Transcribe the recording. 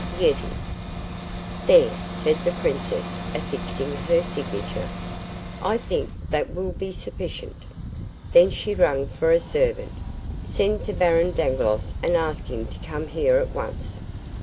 "YETIVE." "There," said the princess, affixing her signature "I think that will be sufficient." Then she rang for a servant. "Send to Baron Dangloss and ask him to come here at once."